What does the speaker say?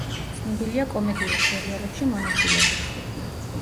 ცნობილია კომედიურ სერიალებში მონაწილებით.